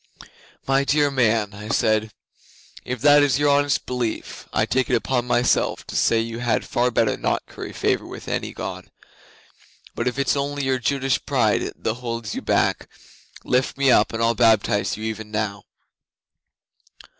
'"My dear man," I said, "if that is your honest belief, I take it upon myself to say you had far better not curry favour with any God. But if it's only your Jutish pride that holds you back, lift me up, and I'll baptize you even now."